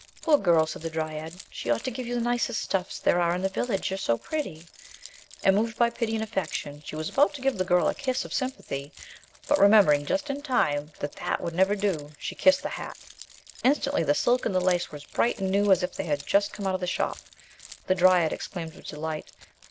"Poor girl!" said the dryad, "she ought to give you the nicest stuffs there are in the village, you are so pretty." And, moved by pity and affection, she was about to give the girl a kiss of sympathy, but remembering just in time that that would never do, she kissed the hat. Instantly the silk and the lace were as bright and new as if they had just come out of the shop. The dryad ex claimed with delight.